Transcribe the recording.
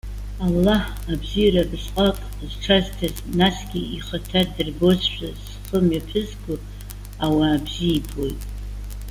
Аллаҳ, абзиара абырсҟак зҽазҭаз, насгьы ихаҭа дырбозшәа зхы мҩаԥызго ауаа бзиа ибоит.